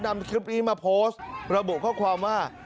นำคลิปนี้มาโพสต์ระบุข้อความว่า